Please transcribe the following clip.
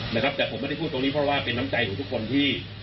นะครับแต่ผมไม่ได้พูดตรงนี้เพราะว่าเป็นน้ำใจของทุกคนที่